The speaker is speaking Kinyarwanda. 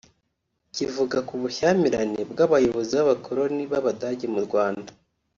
Kivuga ku bushyamirane bw’abayobozi b’abakoloni b’Abadage mu Rwanda